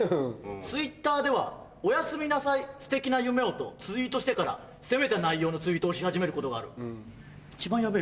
Ｔｗｉｔｔｅｒでは『おやすみなさい素敵な夢を』とツイートしてから攻めた内容のツイートをし始めることがある」。